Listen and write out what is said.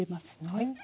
はい。